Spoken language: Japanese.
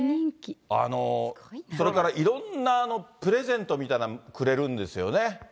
それからいろんなプレゼントみたいなくれるんですよね。